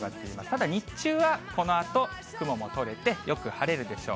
ただ日中はこのあと雲も取れて、よく晴れるでしょう。